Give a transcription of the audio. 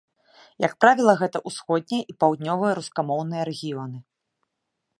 Як правіла, гэта ўсходнія і паўднёвыя рускамоўныя рэгіёны.